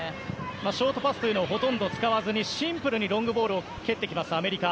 ショートパスというのをほとんど使わずにシンプルにロングボールを蹴ってくるアメリカ。